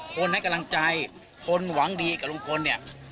ให้กำลังใจคนหวังดีกับลุงพลเนี่ย